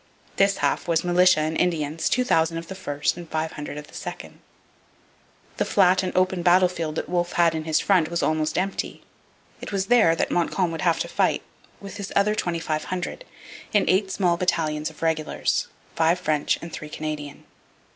This half was militia and Indians, 2,000 of the first and 500 of the second. The flat and open battlefield that Wolfe had in his front was almost empty. It was there that Montcalm would have to fight with his other 2,500, in eight small battalions of regulars five French and three Canadian.